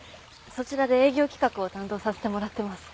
そちらで営業企画を担当させてもらってます。